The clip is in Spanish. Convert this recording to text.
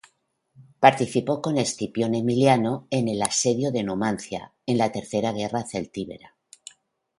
Participó con Escipión Emiliano en el asedio de Numancia en la tercera guerra celtíbera.